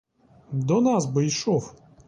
До нас би йшов!